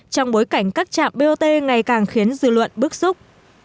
trong bối cảnh các trạm bot ngày càng khiến dư luận bức xúc